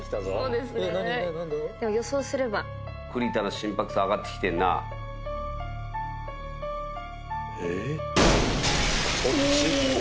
何何だろでも予想すれば栗田の心拍数上がってきてんなおおっこっち？